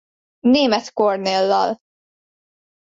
Németh Kornéllal.